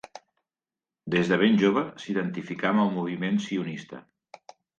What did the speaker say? Des de ben jove s'identificà amb el moviment sionista.